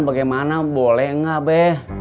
bagaimana boleh nggak be